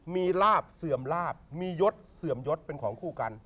มีลาบเสื่อมลาบมียศเสื่อมยศเป็นของคู่กัน